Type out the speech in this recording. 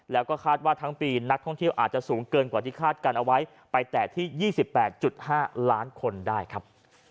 แล้วก็คาดว่าทั้งปีนักท่องเที่ยวอาจจะสูงเกินกว่าที่คาดการณ์เอาไว้ไปแต่ที่๒๘๕ล้านคนได้ครับ